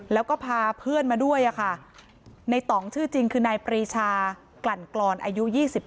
แล้วก็พาเพื่อนมาด้วยค่ะในต่องชื่อจริงคือนายปรีชากลั่นกรอนอายุ๒๙